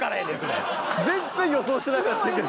全然予想してなかったけど。